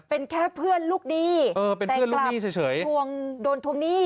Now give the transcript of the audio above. เป็นแค่เพื่อนลูกดีเออเป็นเพื่อนลูกนี่เฉยแต่กลับทวงโดนทวมนี่